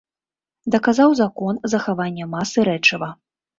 Даказаў закон захавання масы рэчыва.